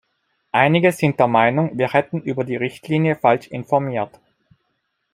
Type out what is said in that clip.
Einige sind der Meinung, wir hätten über die Richtlinie falsch informiert.